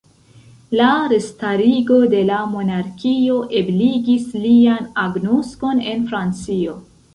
La restarigo de la monarkio ebligis lian agnoskon en Francio.